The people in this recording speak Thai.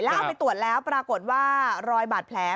แล้วเอาไปตรวจแล้วปรากฏว่ารอยบาดแผล